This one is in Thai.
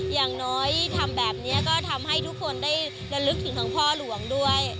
อย่างน้อยทำแบบนี้ก็ทำให้ทุกคนได้ระลึกถึงทั้งพ่อหลวงด้วย